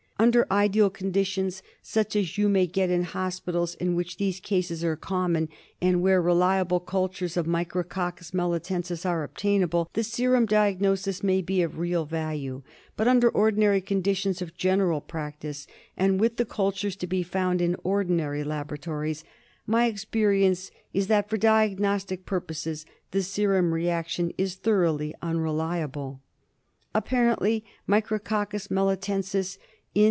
Under ideal con ditions, such as you may get in hospitals in which these cases are common and where reliable cultures of Mi crococcus melitensis are obtainable, the serum diagnosis may be of real value ; but under ordinary conditions of general practice, and with the cultures to be found in ordinary laboratories, my experience is that for diagnos tic purposes the serum reaction is thoroughly unreliable* Apparently Micrococcus melitensis in.